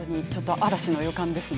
嵐の予感ですね。